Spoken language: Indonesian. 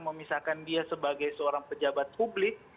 memisahkan dia sebagai seorang pejabat publik